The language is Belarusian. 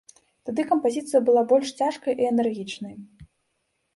Тады кампазіцыя была больш цяжкой і энергічнай.